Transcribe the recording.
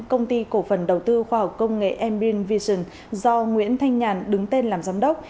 công ty cổ phần đầu tư khoa học công nghệ mbin vision do nguyễn thanh nhàn đứng tên làm giám đốc